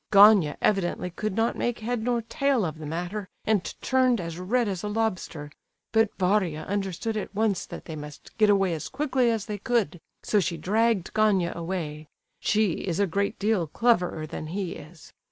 Gania evidently could not make head nor tail of the matter, and turned as red as a lobster; but Varia understood at once that they must get away as quickly as they could, so she dragged Gania away; she is a great deal cleverer than he is.